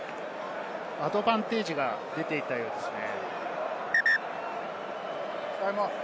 アドバンテージが出ていたようですね。